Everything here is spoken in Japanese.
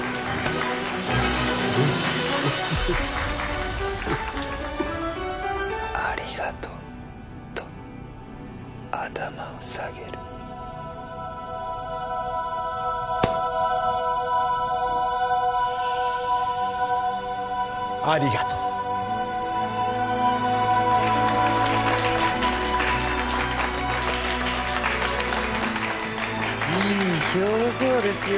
うん「ありがとう」と頭を下げるありがとういい表情ですよ